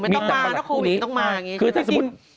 มีแตกเบาหมี่อยู่ไม่ต้องมาเพราะโควิดไม่สามารถมา